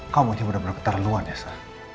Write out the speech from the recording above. kamu ini udah berbentar luan ya